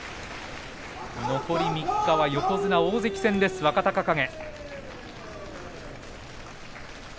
残り３日は横綱大関戦です若隆景。